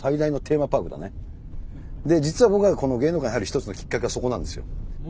実は僕がこの芸能界に入る一つのきっかけはそこなんですよ。